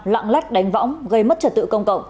lạng lách đánh võng gây mất trật tự công cộng